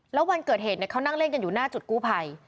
แล้ววันเกิดเหตุเขานั่งเล่นกันอยู่หน้าจุดกู้ภัย